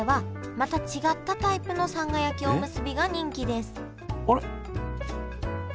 また違ったタイプのさんが焼きおむすびが人気ですあれ？